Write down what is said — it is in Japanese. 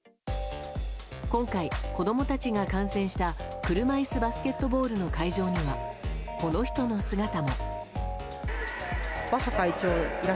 今回、子供たちが観戦した車いすバスケットボールの会場にはこの人の姿も。